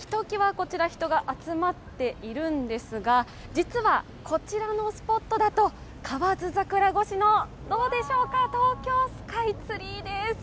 こちら人が集まっているんですが、実はこちらのスポットだと河津桜越しの東京スカイツリーです。